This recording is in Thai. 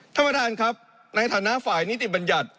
ท่านประธานครับในฐานะฝ่ายนิติบัญญัติ